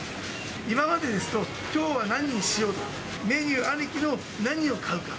今までですと、きょうは何にしようとか、メニューありきの何を買うか。